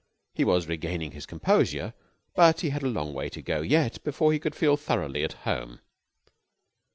He was regaining his composure, but he had a long way to go yet before he could feel thoroughly at home.